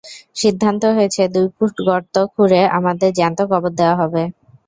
সিদ্ধান্ত হয়েছে, দুই ফুট গর্ত খুঁড়ে আমাদের জ্যান্ত কবর দেওয়া হবে।